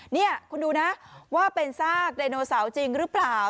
นี่คุณดูนะว่าเป็นซากไดโนเสาร์จริงหรือเปล่า